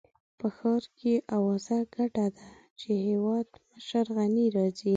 په ښار کې اوازه ګډه ده چې هېوادمشر غني راځي.